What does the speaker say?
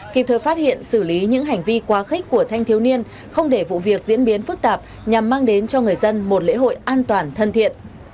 kịp thời phát hiện xử lý những hành vi quá khích của thanh thiếu niên không để vụ việc diễn biến phức tạp nhằm mang đến cho người dân một lễ hội an toàn thân thiện